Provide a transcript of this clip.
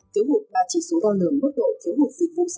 thiếu hụt ba chỉ số đo lường mức độ thiếu hụt dịch vụ trị